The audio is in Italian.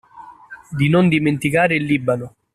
Di non dimenticare il Libano